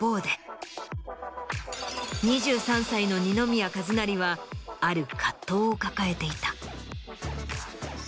２３歳の二宮和也はある葛藤を抱えていた。